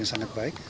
yang sangat baik